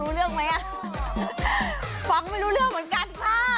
ที่ระยองมีตัวตึงที่พัทยามีตัวแตกค่ะ